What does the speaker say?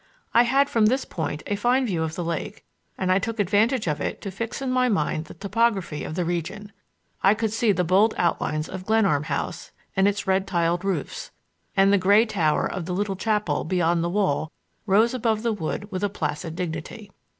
I had from this point a fine view of the lake, and I took advantage of it to fix in my mind the topography of the region. I could see the bold outlines of Glenarm House and its red tile roofs; and the gray tower of the little chapel beyond the wall rose above the wood with a placid dignity.